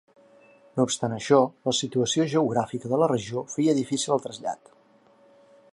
No obstant això, la situació geogràfica de la regió feia difícil el trasllat.